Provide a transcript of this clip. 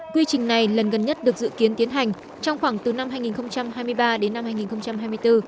quy trình này lần gần nhất được dự kiến tiến hành trong khoảng từ năm hai nghìn hai mươi ba đến năm hai nghìn hai mươi bốn